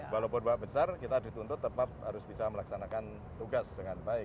walaupun bak besar kita dituntut tetap harus bisa melaksanakan tugas dengan baik